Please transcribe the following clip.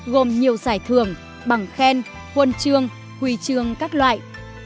gồm nhiều giải thưởng bằng khen huân chương huy chương các loại